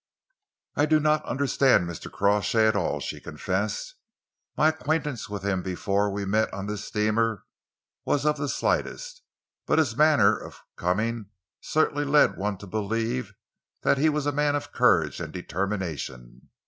"I do not understand Mr. Crawshay at all," she confessed. "My acquaintance with him before we met on this steamer was of the slightest, but his manner of coming certainly led one to believe that he was a man of courage and determination.